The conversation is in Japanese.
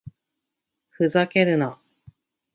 ふざけるな